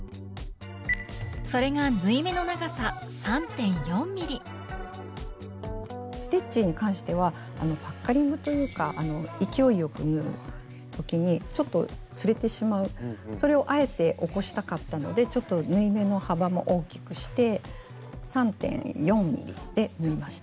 それがステッチに関してはパッカリングというか勢いよく縫う時にちょっとずれてしまうそれをあえて起こしたかったのでちょっと縫い目の幅も大きくして３．４ｍｍで縫いました。